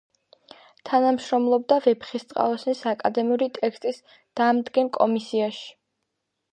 თანამშრომლობდა „ვეფხისტყაოსნის“ აკადემიური ტექსტის დამდგენ კომისიაში.